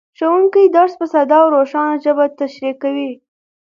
ښوونکی درس په ساده او روښانه ژبه تشریح کوي